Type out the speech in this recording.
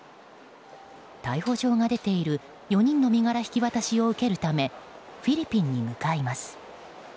逮捕状が出ている４人の身柄引き渡しを受けるためフィリピンに向かいます。